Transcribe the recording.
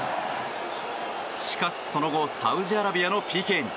しかしその後サウジアラビアのＰＫに。